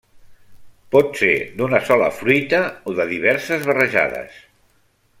Pot ser d'una sola fruita o de diverses barrejades.